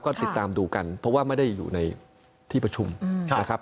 ก็ติดตามดูกันเพราะว่าไม่ได้อยู่ในที่ประชุมนะครับ